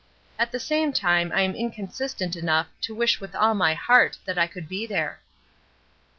At the same time I am inconsistent enough to wish with all my heart that I could be there."